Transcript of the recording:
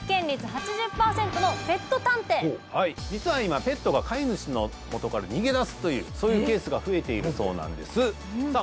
実は今ペットが飼い主のもとから逃げ出すというそういうケースが増えているそうなんですさあ